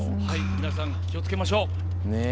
皆さん気をつけましょう！